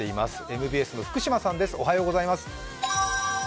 ＭＢＣの福島さんです。